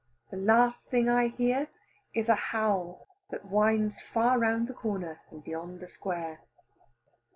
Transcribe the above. The last thing I hear is a howl that winds far round the corner and beyond the square.